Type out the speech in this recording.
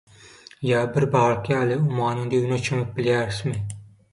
Ýa bir balyk ýaly ummanyň düýbüne çümüp bilýärismi?